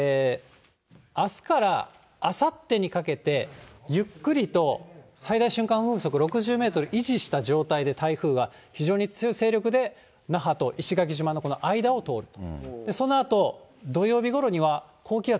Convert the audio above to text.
あすからあさってにかけて、ゆっくりと、最大瞬間風速６０メートル維持した状態で、台風が非常に強い勢力で、那覇と石垣島のこの間を通ると。